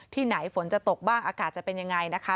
ที่ไหนฝนจะตกบ้างอากาศจะเป็นยังไงนะคะ